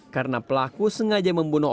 karena pelaku sengaja membunuhnya